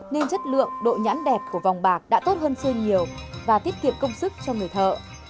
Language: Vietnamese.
nên chất lượng độ nhãn đẹp của vòng bạc đã tốt hơn chơi nhiều và tiết kiệm công sức cho người thợ